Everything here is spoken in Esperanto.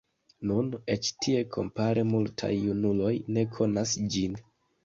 Nun, eĉ tie kompare multaj junuloj ne konas ĝin.